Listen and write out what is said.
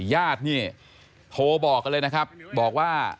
ญาตินี่โทรบอกกันเลยนะครับบอกว่า